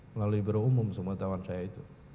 melalui biro umum pengetahuan saya itu